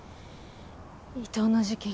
伊東の事件